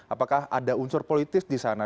apakah ada unsur politis di sana